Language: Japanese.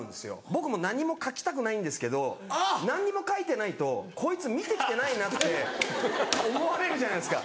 僕も何も書きたくないんですけど何にも書いてないとこいつ見てきてないなって思われるじゃないですか。